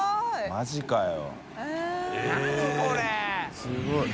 マジかよ。